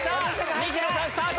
西野さんスタート。